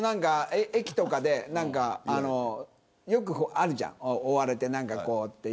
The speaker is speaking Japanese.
駅とかでよくあるじゃん追われて。